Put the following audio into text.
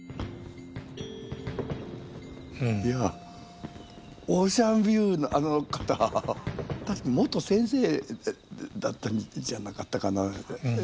いやオーシャンビューのあの方確か元先生だったんじゃなかったかな。